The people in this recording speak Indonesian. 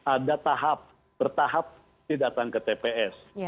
ada tahap bertahap datang ke tps